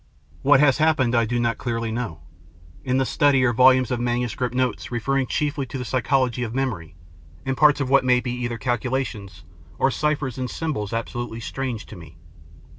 What has happened I do not clearly know. In the study are volumes of manuscript notes referring chiefly to the psychology of memory, and parts of what may be either calculations or ciphers in symbols absolutely strange to me.